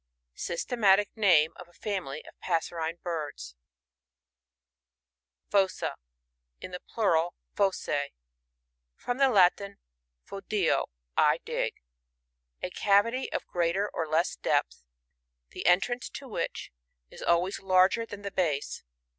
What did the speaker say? Systematic name of a family of passerine birds. ^ Fossa. — In the plural, Fosss. From the L jtin,/o<fio, I dig. A cavity of greater or less depth, the entrance to which is always larger than the base.